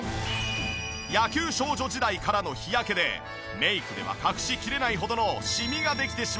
野球少女時代からの日焼けでメイクでは隠しきれないほどのシミができてしまった片岡。